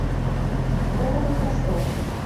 Гэта вы пра што?